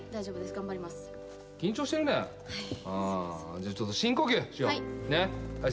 じゃあちょっと深呼吸しよう。